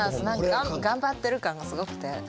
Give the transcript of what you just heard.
何か頑張ってる感がすごくて。